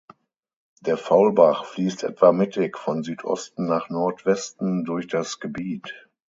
Der Faulbach fließt etwa mittig von Südosten nach Nordwesten durch das Gebiet.